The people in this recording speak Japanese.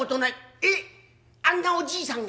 えっあんなおじいさんが？」。